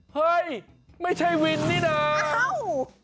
เฮ้ยไม่ใช่วินนี่น่าอ้าว